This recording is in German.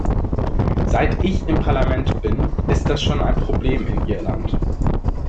Seit ich im Parlament bin, ist das schon ein Problem in Irland.